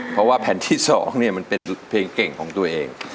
เพราะว่าแผ่นที่๒มันเป็นเพลงเก่งของตัวเอง